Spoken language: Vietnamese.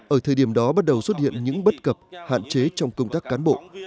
ở thời điểm đó bắt đầu xuất hiện những bất cập hạn chế trong công tác cán bộ